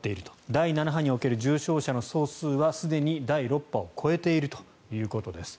第７波における重症者の総数はすでに第６波を超えているということです。